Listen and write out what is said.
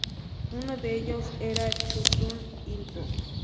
Uno de ellos era "Chosun Ilbo".